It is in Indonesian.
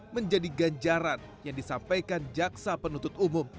menjadi ganjaran yang disampaikan jaksa penuntut umum